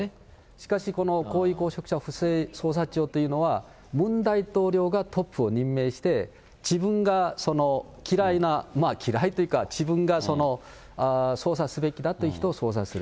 しかしこの高位公職者不正捜査庁というのは、ムン大統領がトップを任命して、自分が嫌いな、嫌いなというか、自分が捜査すべきだという人を捜査する。